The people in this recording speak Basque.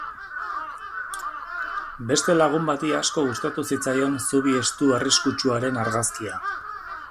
Beste lagun bati asko gustatu zitzaion zubi estu arriskutsuaren argazkia.